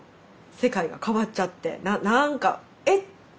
世界と変わっちゃってな何かえっ？